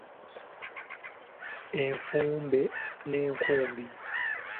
Effumbe n'enkumbi.